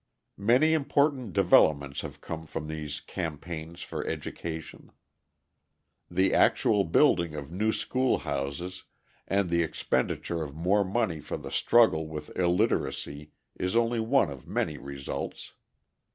Many important developments have come from these campaigns for education. The actual building of new school houses and the expenditure of more money for the struggle with illiteracy is only one of many results.